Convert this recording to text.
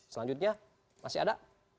selanjutnya masih ada